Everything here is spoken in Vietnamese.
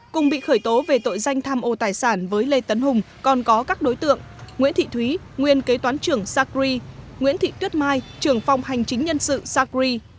cùng bị khởi tố về tội danh tham ô tài sản với lê tấn hùng còn có các đối tượng nguyễn thị thúy nguyên kế toán trưởng sacri nguyễn thị tuyết mai trưởng phòng hành chính nhân sự sacri